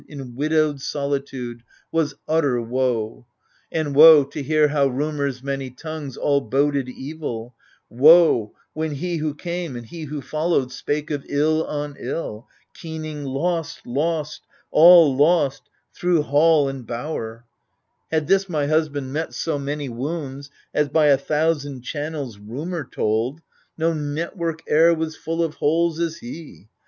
In widowed solitude, was utter woe — And woe, to hear how rumour's many tongues All boded evil — woe, when he who came And he who followed spake of ill on ill. Keening Losi^ lost^ all lost I thro' hall and bower. Had this my husband met so many wounds, As by a thousand channels rumour told, No network e'er was full of holes as he.